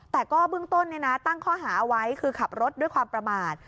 แต่ก็เบื้องต้นตั้งข้อหาเอาไว้คือขับรถด้วยความประมาท